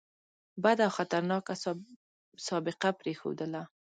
بده او خطرناکه سابقه پرېښودله.